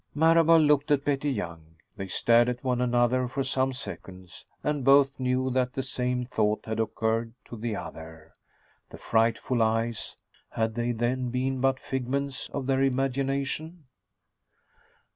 Marable looked at Betty Young. They stared at one another for some seconds, and both knew that the same thought had occurred to the other. The frightful eyes had they then been but figments of the imagination?